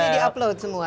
ini di upload semua